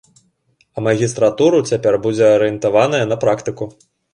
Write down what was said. А магістратура цяпер будзе арыентаваная на практыку.